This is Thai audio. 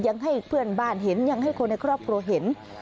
ยังให้เพื่อนบ้านเห็นยังให้คนในครอบครัวเห็น